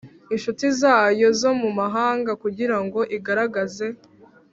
inshuti zayo zo mu mahanga kugira ngo igaragaze